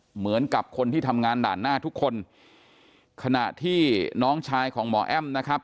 เหมือนกับคนที่ทำงานด่านหน้าทุกคนขณะที่น้องชายของหมอแอ้มนะครับ